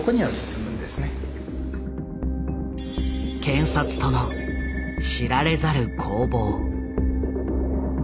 検察との知られざる攻防。